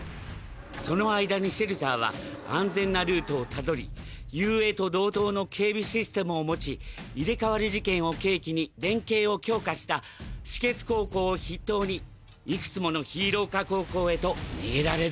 その間にシェルターは安全なルートを辿り雄英と同等の警備システムを持ち入れ替わり事件を契機に連携を強化した士傑高校を筆頭にいくつものヒーロー科高校へと逃げられる。